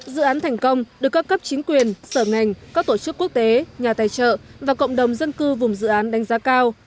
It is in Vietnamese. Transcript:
dự án thành công được các cấp chính quyền sở ngành các tổ chức quốc tế nhà tài trợ và cộng đồng dân cư vùng dự án đánh giá cao